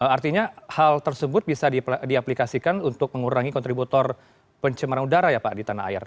artinya hal tersebut bisa diaplikasikan untuk mengurangi kontributor pencemaran udara ya pak di tanah air